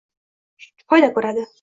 joyda ko‘radi.